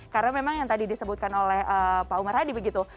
karena memang yang tadi disebutkan oleh pak umar hadi begitu